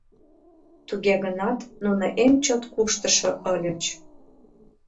Туге гынат, нуно эн чот куштышо ыльыч.